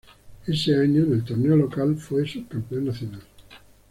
Ese año en el torneo local fue subcampeón nacional.